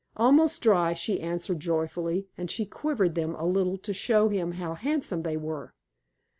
"Almost dry," she answered joyfully, and she quivered them a little to show him how handsome they were.